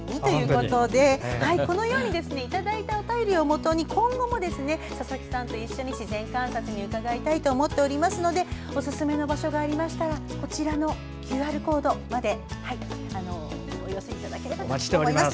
このようにいただいたお便りをもとに今後も、佐々木さんと自然観察に伺いたいと思っておりますのでおすすめの場所がありましたらこちらのＱＲコードまでお寄せいただければと思います。